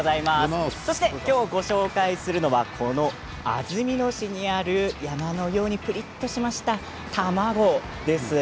今日ご紹介するのは、この安曇野市にある山のようにぷりっとしたたまごです。